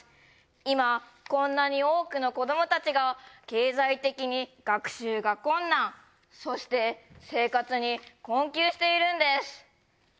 今こんなに多くの子どもたちが経済的に学習が困難そして生活に困窮しているんです。